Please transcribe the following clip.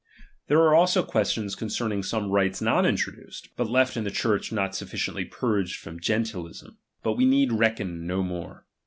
There are also questions concern ing some rites not introduced, but left in the Church not sufficiently purged from GentUism. But we need reckon no more.